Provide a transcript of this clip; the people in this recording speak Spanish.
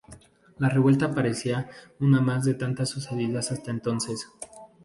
La revuelta parecía una más de las tantas sucedidas hasta entonces.